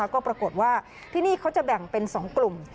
ก็ปรากฏว่าที่นี่เขาจะแบ่งเป็น๒กลุ่ม